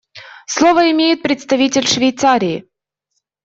Слово имеет представитель Швейцарии.